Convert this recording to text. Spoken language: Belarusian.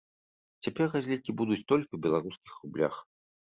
Цяпер разлікі будуць толькі ў беларускіх рублях.